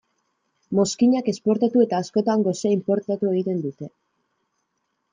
Mozkinak esportatu eta askotan gosea inportatu egiten dute.